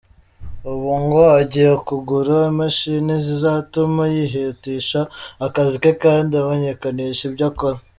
Ubu ngo agiye kugura imashini zizatuma yihutisha akazi ke kandi amenyekanishe ibyo akora.